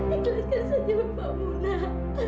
ikhlaskan senyum pak munah